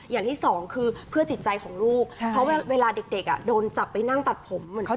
อย่างที่สองคือเพื่อจิตใจของลูกเพราะเวลาเด็กอ่ะโดนจับไปนั่งตัดผมเหมือนเขา